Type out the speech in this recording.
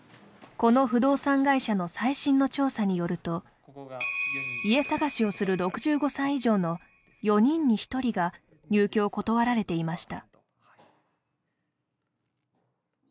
この不動産会社の最新の調査によると家探しをする６５歳以上の４人に１人が入居を断られていました。